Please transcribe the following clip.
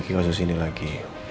memikir kasus ini lagi